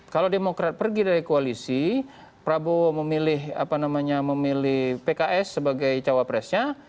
kalau demokrat pergi dari koalisi prabowo memilih pks sebagai cawapresnya